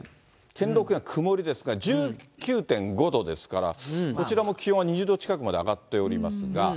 兼六園は曇りですか、１９．５度ですから、こちらの気温は２０度近くまで上がっておりますが。